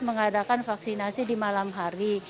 mengadakan vaksinasi di malam hari